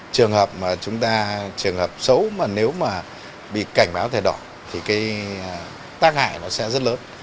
trường hợp mà chúng ta trường hợp xấu mà nếu mà bị cảnh báo thẻ đỏ thì cái tác hại nó sẽ rất lớn